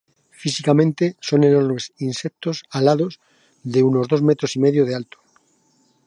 Físicamente son enormes insectos alados de unos dos metros y medio de alto.